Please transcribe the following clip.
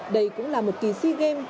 đây cũng là một kỳ sea games